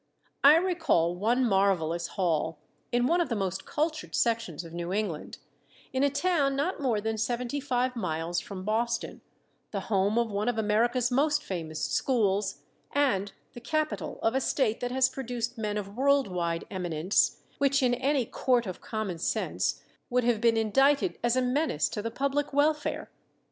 I recall one marvelous hall in one of the most cultured sections of New England, in a town not more than seventy five miles from Boston, the home of one of America's most famous schools, and the capital of a State that has produced men of worldwide eminence, which in any Court of Commonsense would have been indicted as a menace to the public welfare.